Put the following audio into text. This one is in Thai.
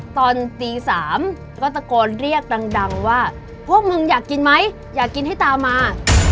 ตอนตี๓ก็ตะโกนเรียกดังว่าพวกมึงอยากกินไหมอยากกินให้ตามมา